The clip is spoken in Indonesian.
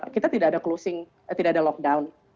kita tidak ada lockdown